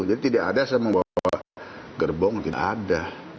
jadi tidak ada saya membawa gerbong tidak ada